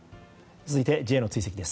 続いてＪの追跡です。